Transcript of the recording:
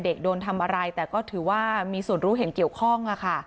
โดนทำอะไรแต่ก็ถือว่ามีส่วนรู้เห็นเกี่ยวข้อง